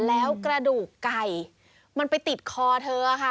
แล้วกระดูกไก่มันไปติดคอเธอค่ะ